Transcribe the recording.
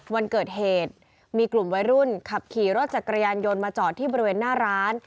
วันเกิดเหตุมีกลุ่มวัยรุ่นขับขี่รถจักรยานยนต์มาจอดที่บริเวณหน้าร้าน